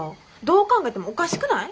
どう考えてもおかしくない？